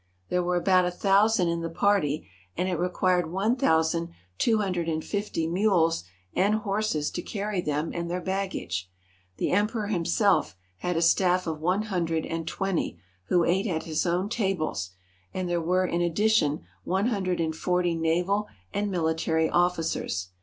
There were about a thousand in the party, and it required one thousand two hundred and fifty mules and horses to carry them and their baggage. The Em peror himself had a staff of one hundred and twenty, who ate at his own tables, and there were in addition one hundred and forty naval and military officers.